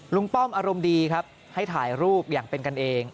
ป้อมอารมณ์ดีครับให้ถ่ายรูปอย่างเป็นกันเอง